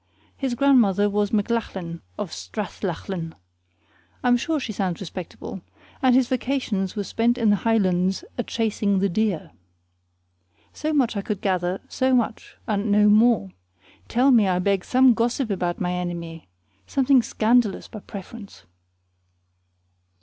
His grandmother was a M'Lachlan of Strathlachan (I am sure she sounds respectable), and his vacations were spent in the Hielands a chasing the deer. So much could I gather; so much, and no more. Tell me, I beg, some gossip about my enemy something scandalous by preference.